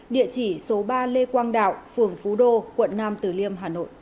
địa chỉ số ba lê quang đạo phường phú đô quận nam tử liêm